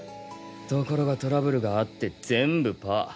ところがトラブルがあって全部パァ！